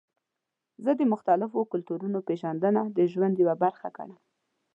زه د مختلفو کلتورونو پیژندنه د ژوند یوه برخه ګڼم.